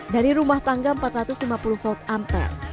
dari rumah tangga empat ratus lima puluh volt ampere